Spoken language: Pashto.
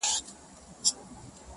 له یوه ښاخه تر بله په هوا سو٫